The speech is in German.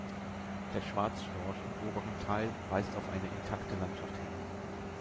Der Schwarzstorch im oberen Teil weist auf eine intakte Landschaft hin.